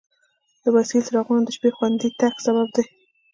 د بایسکل څراغونه د شپې خوندي تګ سبب دي.